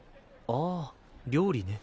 ああ料理ね。